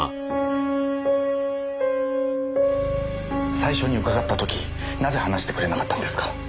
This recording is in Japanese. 最初に伺った時なぜ話してくれなかったんですか？